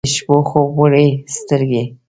د شپو خوب وړي سترګې